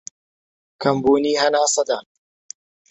کەمبوونی هەناسەدان